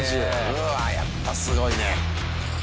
うわぁやっぱすごいね。